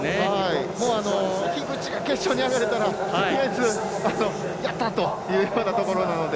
樋口が決勝に上がれたらとりあえずやった！というところなので。